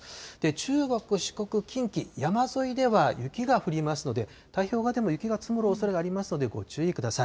中国、四国、近畿、山沿いでは雪が降りますので、太平洋側でも雪が積もるおそれがありますので、ご注意ください。